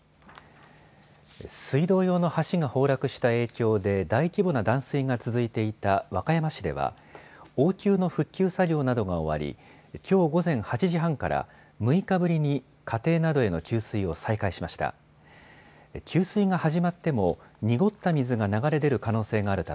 水道用の橋が崩落した影響で大規模な断水が続いていた和歌山市では応急の復旧作業などが終わり、きょう午前８時半から６日ぶりに家庭などへの給水を再開しました。